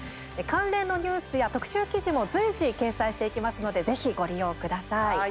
関連のニュースや特集記事も随時、掲載していきますのでぜひ、ご利用ください。